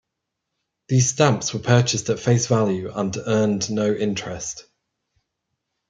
These stamps were purchased at face value and earned no interest.